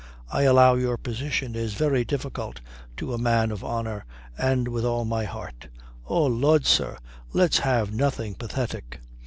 I allow your position is very difficult to a man of honour. And with all my heart " "Oh Lud, sir, let's have nothing pathetic."